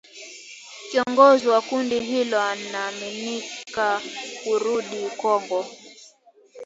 Kiongozi wa kundi hilo anaaminika kurudi Kongo